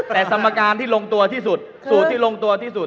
แต่สมการที่ลงตัวที่สุดสูตรที่ลงตัวที่สุด